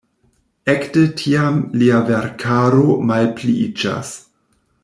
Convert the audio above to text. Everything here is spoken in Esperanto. Ekde tiam lia verkaro malpliiĝas.